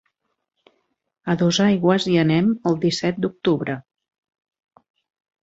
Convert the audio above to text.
A Dosaigües hi anem el disset d'octubre.